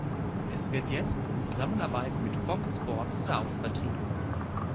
Es wird jetzt in Zusammenarbeit mit Fox Sports South betrieben.